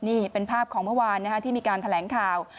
นี่เป็นภาพของเมื่อวานที่มีการแถลงข่าว